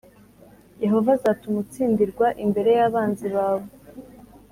Yehova azatuma utsindirwa imbere y’abanzi bawe.